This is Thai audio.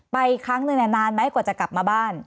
ครั้งหนึ่งนานไหมกว่าจะกลับมาบ้าน